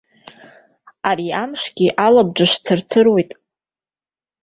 Ари амшгьы алабжыш цырцыруеит.